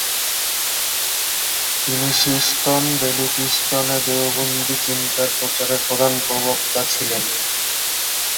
তিনি সিস্তন-বেলুচিস্তনে দেওবন্দী চিন্তার প্রচারের প্রধান প্রবক্তা ছিলেন।